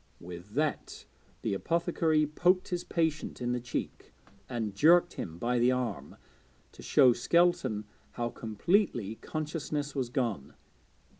With that the apothecary poked his patient in the cheek, and jerked him by the arm, to show Skelton how completely consciousness was gone.